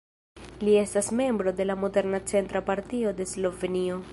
Li estas membro de la moderna centra partio de Slovenio.